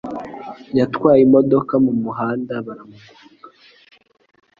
Yatwaye imodoka mumuhanda baramugonga.